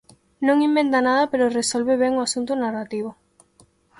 Non inventa nada pero resolve ben o asunto narrativo.